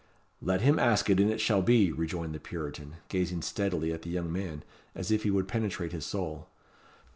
"Let him ask it, and it shall be," rejoined the Puritan, gazing steadily at the young man, as if he would penetrate his soul.